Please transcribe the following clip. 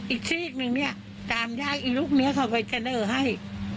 อีกสีกนึงเนี่ยตามยากลูกเนี่ยเขาไปเจริญาให้